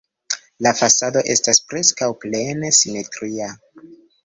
La fasado estas preskaŭ plene simetria.